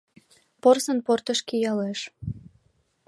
Порсын портыш киялеш.